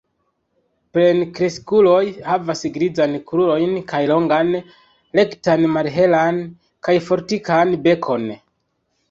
Plenkreskuloj havas grizajn krurojn kaj longan, rektan, malhelan kaj fortikan bekon.